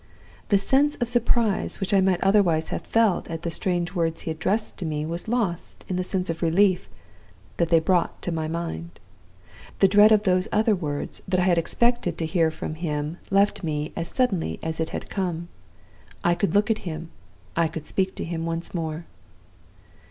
The sense of surprise which I might otherwise have felt at the strange words he had addressed to me was lost in the sense of relief that they brought to my mind. The dread of those other words that I had expected to hear from him left me as suddenly as it had come. I could look at him, I could speak to him once more.